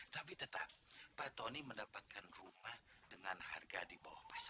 tapi tetap pak tony mendapatkan rumah dengan harga di bawah pasar